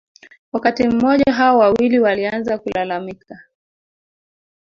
Wakati mmoja hao wawili walianza kulalamika